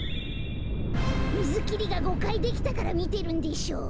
みずきりが５かいできたからみてるんでしょう？